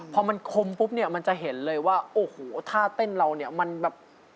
พอมันคมปุ๊บเนี่ยมันจะเห็นเลยว่าโอ้โหท่าเต้นเราเนี่ยมันแบบ